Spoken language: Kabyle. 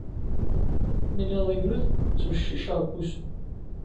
Mi lliɣ d agrud, ttebciceɣ deg usu.